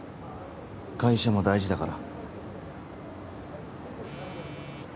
会社も大事だから。